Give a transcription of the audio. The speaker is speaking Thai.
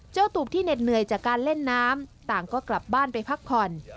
ตูบที่เหน็ดเหนื่อยจากการเล่นน้ำต่างก็กลับบ้านไปพักผ่อน